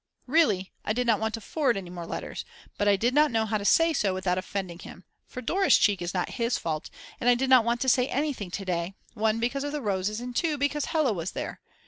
Really I did not want to forward any more letters but I did not know how to say so without offending him, for Dora's cheek is not his fault, and I did not want to say anything to day, 1 because of the roses, and 2 because Hella was there.